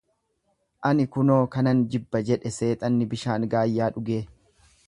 Ani kunoo kanan jibba jedhe seexanni bishaan gaayyaa dhugee.